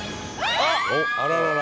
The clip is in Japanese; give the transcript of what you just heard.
あららら。